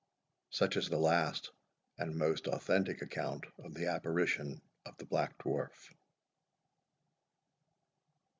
Such is the last and most authentic account of the apparition of the Black Dwarf.